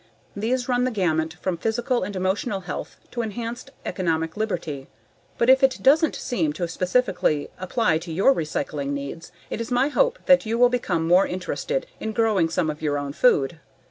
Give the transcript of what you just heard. These run the gamut from physical and emotional health to enhanced economic liberty. Even if it doesn't seem to specifically apply to your recycling needs, it is my hope that you will become more interested in growing some of your own food.